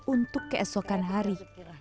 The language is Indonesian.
untuk keesokan hari